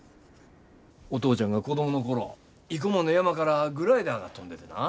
お父ちゃんが子供の頃生駒の山からグライダーが飛んでてな。